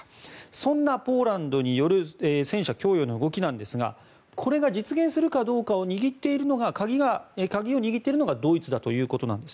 そんなポーランドによる戦車供与の動きですがこれが実現するかどうかの鍵を握っているのがドイツだということなんです。